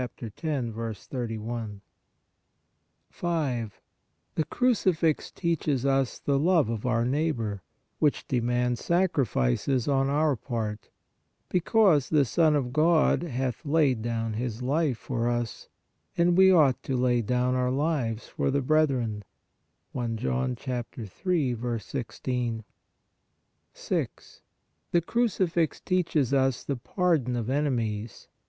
31). 5. The Crucifix teaches us the love of our neigh bor, which demands sacrifices on our part : Because the Son of God "hath laid down His life for us; and we ought to lay down our lives for the breth ren " (I John 3. 16). 6. The Crucifix teaches us the pardon of enemies.